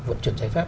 vận chuyển giải phép